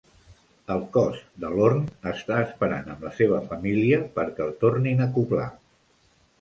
El cos de Lorne està esperant amb la seva família perqué el tornin a acoblar.